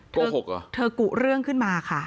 โกหกเหรอเธอกุเรื่องขึ้นมาค่ะ